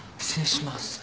失礼します。